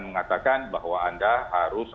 mengatakan bahwa anda harus